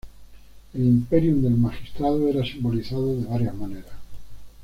El "Imperium" del magistrado era simbolizado de varias maneras.